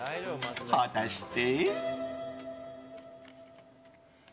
果たして。